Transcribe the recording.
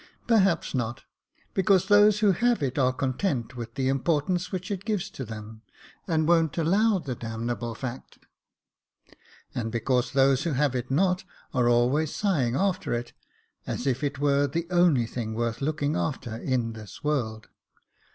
"Perhaps not; because those who have it are content with the importance which it gives to them, and won't allow the damnable fact ; and because those who have it not are always sighing after it, as if it were the only thing worth looking after in this world.